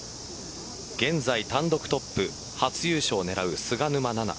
現在単独トップ初優勝を狙う菅沼菜々。